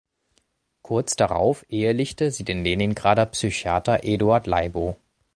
Kurz darauf ehelichte sie den Leningrader Psychiater Eduard Leibow.